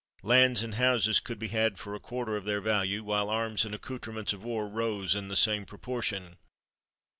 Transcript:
Lands and houses could be had for a quarter of their value, while arms and accoutrements of war rose in the same proportion.